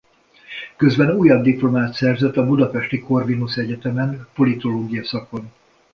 Közben újabb diplomát szerzett a Budapesti Corvinus Egyetemen politológia szakon.